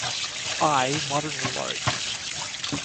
Eye moderate or large.